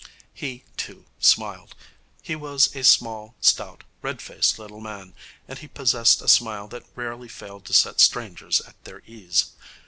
He, too, smiled. He was a small, stout, red faced little man, and he possessed a smile that rarely failed to set strangers at their ease.